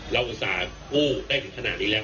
อุตส่าห์กู้ได้ถึงขนาดนี้แล้ว